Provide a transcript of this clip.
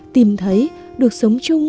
tìm thấy được sống chung